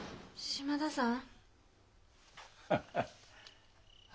島田さん？